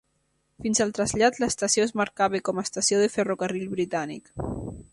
Fins al trasllat, l'estació es marcava com a estació de ferrocarril britànic.